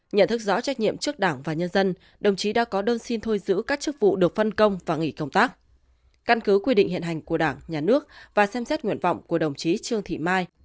nhận thức rõ trách nhiệm trước đảng và nhân dân đồng chí đã có đơn xin thôi giữ các chức vụ được phân công và nghỉ công tác căn cứ quy định hiện hành của đảng nhà nước và xem xét nguyện vọng của đồng chí trương thị mai